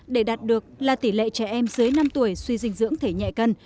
để đạt được là tỷ lệ trẻ em dưới năm tuổi suy dinh dưỡng thể nhẹ cân